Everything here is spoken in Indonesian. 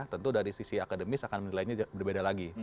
tentu dari sisi akademis akan menilainya berbeda lagi